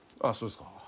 あっそうですか。